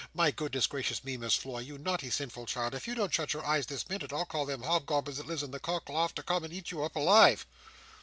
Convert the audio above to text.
My goodness gracious me, Miss Floy, you naughty, sinful child, if you don't shut your eyes this minute, I'll call in them hobgoblins that lives in the cock loft to come and eat you up alive!"